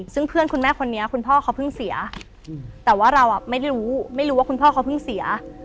ซึ่งเพื่อนคุณแม่คนนี้คุณพ่อเขาเพิ่งเสียแต่ว่าเราไม่รู้ไม่รู้ว่าคุณพ่อเขาเพิ่งเสีย